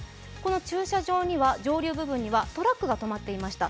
駐車場、上流部分にはトラックが止まっていました。